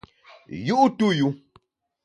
Yu’ tu yu.